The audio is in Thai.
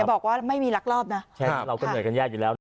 บอกว่าไม่มีลักลอบนะเราก็เหนื่อยกันยากอยู่แล้วนะ